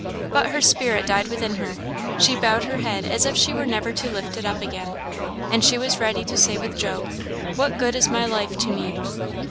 But her spirit died within her; she bowed her head as if she were never to lift it up again; and she was ready to say with Job, "What good is my life to me?"